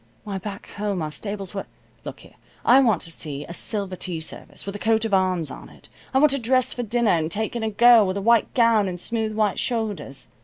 Why, back home our stables were Look here. I want to see a silver tea service, with a coat of arms on it. I want to dress for dinner, and take in a girl with a white gown and smooth white shoulders.